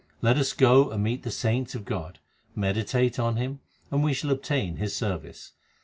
Let us go and meet the saints of God, meditate on Him, and we shall obtain His service.